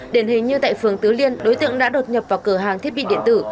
đền hình như tại phường tứ liên đối tượng đã đột nhập vào cửa hàng thiết bị điện tử